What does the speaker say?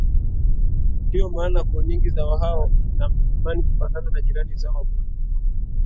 Ndio maana koo nyingi za waha wa milimani hufanana na jirani zao wa burundi